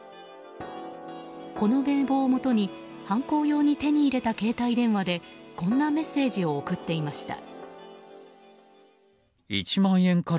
この名簿をもとに犯行用に手に入れた携帯電話でこんなメッセージを送っていました。